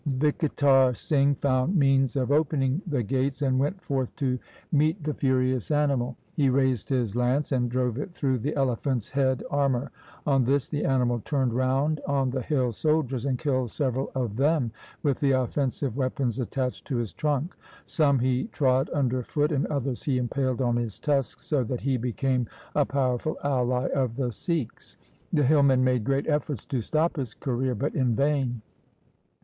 Vichitar Singh found means of opening the gates and went forth to meet the furious LIFE OF GURU GOBIND SINGH 135 animal. He raised his lance and drove it through the elephant's head armour. 1 On this the animal turned round on the hill soldiers, and killed several of them with the offensive weapons attached to his trunk. Some he trod under foot and others he impaled on his tusks, so that he became a powerful ally of the Sikhs. The hillmen made great efforts to stop his career, but in vain.